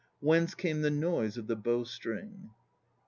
Whence came the noise of the bow string?